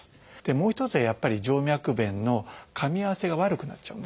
もう一つはやっぱり静脈弁のかみ合わせが悪くなっちゃうんですね。